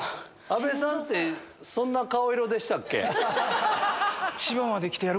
阿部さんってそんな顔色でした？